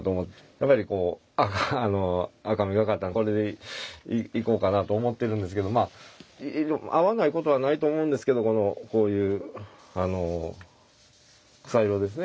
やっぱりこう赤みがかったこれでいこうかなと思ってるんですけどまあ合わないことはないと思うんですけどこういう草色ですね。